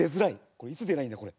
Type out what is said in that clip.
これいつ出りゃいいんだこれ。